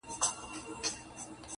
ډېر هوښیار دی مشرتوب لایق د ده دی-